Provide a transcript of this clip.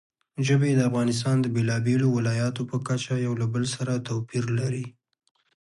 ژبې د افغانستان د بېلابېلو ولایاتو په کچه یو له بل سره توپیر لري.